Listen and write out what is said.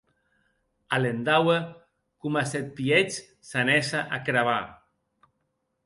Alendaue coma s’eth pièch s’anèsse a crebar.